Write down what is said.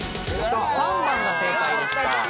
３番が正解でした。